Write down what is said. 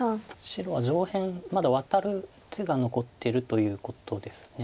白は上辺まだワタる手が残ってるということです。